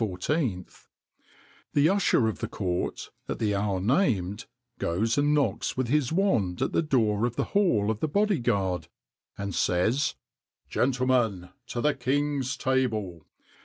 [XXIX 95] The usher of the court, at the hour named, goes and knocks with his wand at the door of the hall of the body guard, and says: "Gentlemen, to the king's table!"